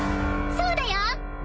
そうだよ！